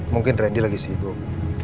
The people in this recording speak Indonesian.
mungkin randy lagi sibuk